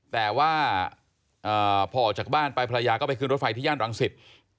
แต่ว่าพอออกจากบ้านไปภรรยาก็ไปขึ้นรถไฟที่ย่านรังสิต